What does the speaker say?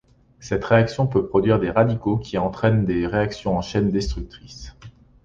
Cette réaction peut produire des radicaux qui entraînent des réactions en chaîne destructrices.